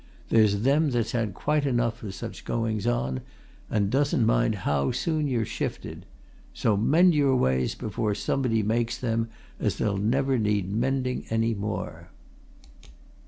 There's them that's had quite enough of such goings on, and doesn't mind how soon you're shifted. So mend your ways before somebody makes them as they'll never need mending any more.'